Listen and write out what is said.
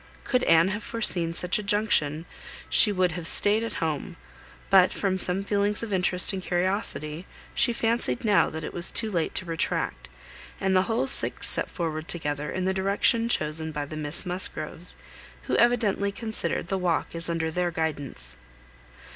Could Anne have foreseen such a junction, she would have staid at home; but, from some feelings of interest and curiosity, she fancied now that it was too late to retract, and the whole six set forward together in the direction chosen by the Miss Musgroves, who evidently considered the walk as under their guidance.